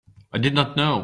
I did not know.